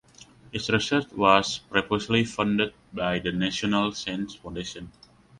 His research was previously funded by the National Science Foundation.